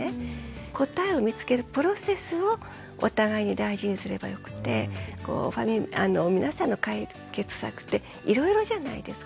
答えを見つけるプロセスをお互いに大事にすればよくて皆さんの解決策っていろいろじゃないですか。